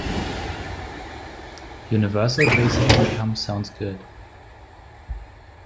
Universal basic income sounds good.